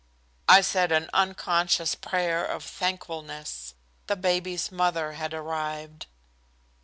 I said an unconscious prayer of thankfulness. The baby's mother had arrived.